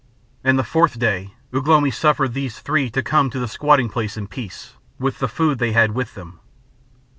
And the fourth day Ugh lomi suffered these three to come to the squatting place in peace, with the food they had with them.